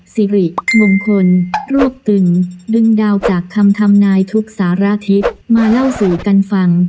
สิริมงคลรวบตึงดึงดาวจากคำทำนายทุกสารทิศมาเล่าสู่กันฟัง